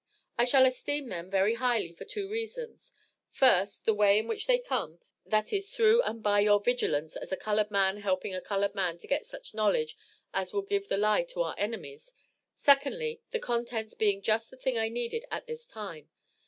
I shall esteem them very highly for two reasons, first, The way in which they come, that is through and by your Vigilance as a colored man helping a colored man to get such knowledge as will give the lie to our enemies. Secondly their contents being just the thing I needed at this time.